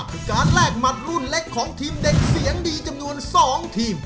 คือการแลกหมัดรุ่นเล็กของทีมเด็กเสียงดีจำนวน๒ทีม